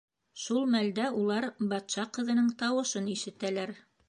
Шул мәлдә улар батша ҡыҙының тауышын ишетәләр: